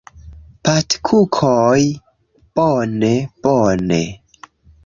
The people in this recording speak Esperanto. Patkukoj! Bone bone!